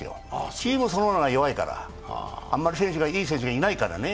チームそのものが弱いから、あんまりいい選手がいないからね。